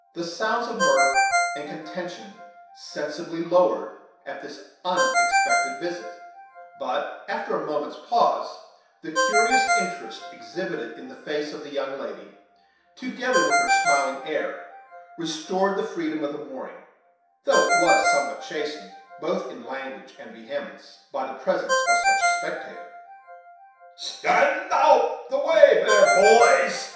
The sounds of mirth and contention sensibly lowered at this unexpected visit; but, after a moment's pause, the curious interest exhibited in the face of the young lady, together with her smiling air, restored the freedom of the morning; though it was somewhat chastened, both in language and vehemence, by the presence of such a spectator. "Stand out of the way there, boys!"